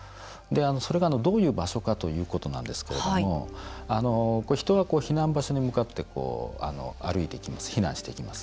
それがどういう場所かということですけど人が避難場所に向かって避難していきます。